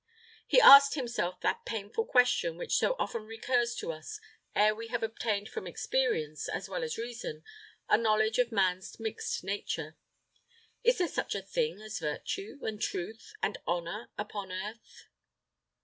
He asked himself that painful question which so often recurs to us ere we have obtained from experience, as well as reason, a knowledge of man's mixed nature, "Is there such a thing as virtue, and truth, and honor upon earth?"